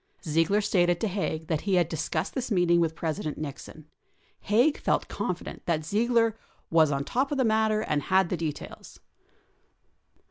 Ziegler stated to Haig that he had discussed this meeting with President Nixon. Haig felt confident that Ziegler "was on top of the matter and had the details."